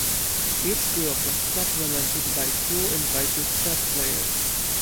Each group was supplemented by two invited chess players.